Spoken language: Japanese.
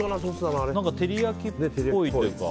照り焼きっぽいというか。